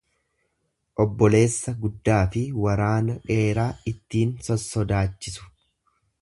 Obboleessa guddaafi waraana dheeraa ittiin sossodaachisu.